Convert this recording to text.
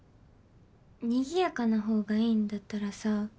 賑やかな方がいいんだったらさ。